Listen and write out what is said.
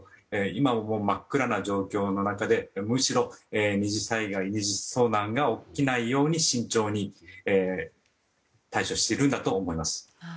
今、真っ暗な状況でむしろ２次災害、２次遭難が起きないように慎重に対処しているんだと思います。